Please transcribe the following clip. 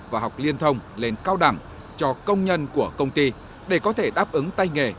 và học liên thông lên cao đẳng cho công nhân của công ty để có thể đáp ứng tay nghề